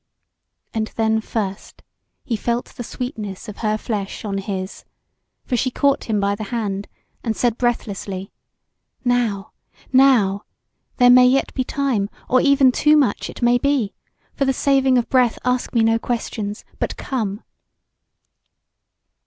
And then first he felt the sweetness of her flesh on his, for she caught him by the hand and said breathlessly: "Now, now! there may yet be time, or even too much, it may be. For the saving of breath ask me no questions, but come!"